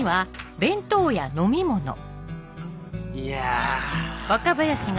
いや。